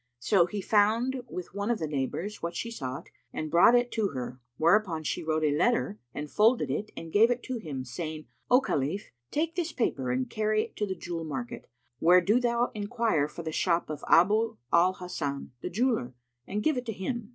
So he found with one of the neighbours what she sought and brought it to her, whereupon she wrote a letter and folded it and gave it to him, saying, "O Khalif, take this paper and carry it to the jewel market, where do thou enquire for the shop of Abu al Hasan the jeweller and give it to him."